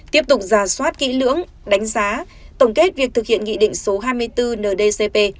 tiếp tục giả soát kỹ lưỡng đánh giá tổng kết việc thực hiện nghị định số hai mươi bốn ndcp